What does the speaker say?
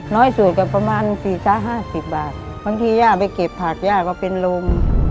น้อยสูตรก็ประมาณสี่สามห้าสิบบาทบางทีย่าไปเก็บผักย่าก็เป็นลม